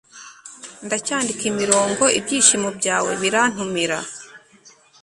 Ndacyandika imirongo Ibyishimo byawe birantumira